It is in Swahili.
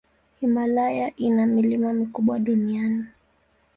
Himalaya ina milima mikubwa duniani.